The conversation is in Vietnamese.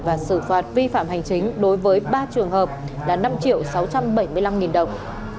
và xử phạt vi phạm hành chính đối với ba trường hợp là năm sáu trăm bảy mươi năm đồng